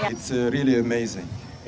ini benar benar luar biasa